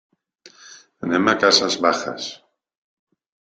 Anem a Casas Bajas.